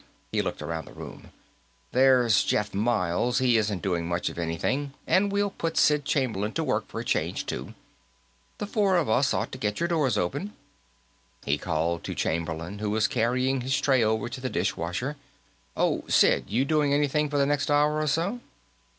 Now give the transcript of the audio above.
He looked around the room. "There's Jeff Miles; he isn't doing much of anything. And we'll put Sid Chamberlain to work, for a change, too. The four of us ought to get your doors open." He called to Chamberlain, who was carrying his tray over to the dish washer. "Oh, Sid; you doing anything for the next hour or so?"